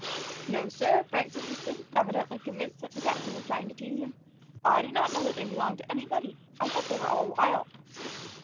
"No, sir," Frank persisted, evidently convinced that the captain was trying to tease him. "I did not know that they belonged to anybody. I thought that they were all wild."